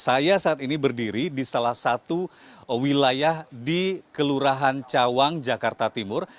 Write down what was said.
saya saat ini berdiri di salah satu wilayah di kelurahan cawang jakarta timur